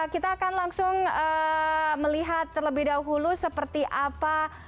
kita akan langsung melihat terlebih dahulu seperti apa